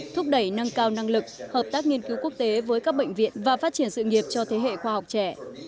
thúc đẩy năng cao năng lực hợp tác nghiên cứu quốc tế với các bệnh viện và phát triển sự nghiệp cho thế hệ khoa học trẻ